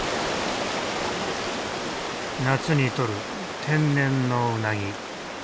夏にとる天然のウナギ。